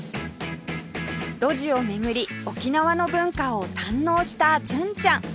路地を巡り沖縄の文化を堪能した純ちゃん